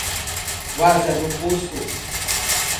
Várzea do Poço